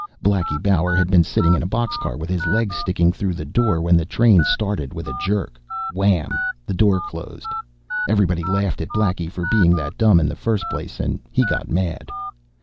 Blackie Bauer had been sitting in a boxcar with his legs sticking through the door when the train started with a jerk. Wham, the door closed. Everybody laughed at Blackie for being that dumb in the first place, and he got mad.